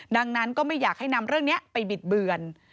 ดังนั้นก็ไม่อยากให้นำเรื่องนี้ไปบิดเบือน